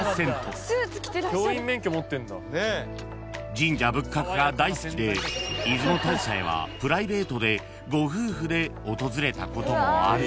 ［神社仏閣が大好きで出雲大社へはプライベートでご夫婦で訪れたこともあるそう］